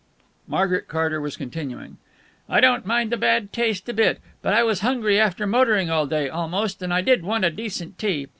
Margaret Carter was continuing: "I don't mind the bad taste a bit, but I was hungry after motoring all day, almost, and I did want a decent tea.